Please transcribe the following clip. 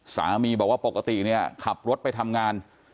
สามีบอกว่าปกติเนี่ยขับรถไปทำงาน